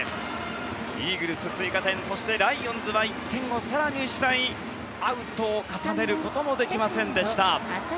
イーグルス、追加点そしてライオンズは１点を更に失いアウトを重ねることもできませんでした。